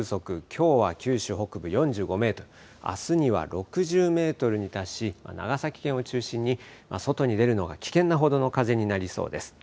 きょうは九州北部北部４５メートル、あすには６０メートルに達し長崎県を中心に外に出るのが危険なほどの風になりそうです。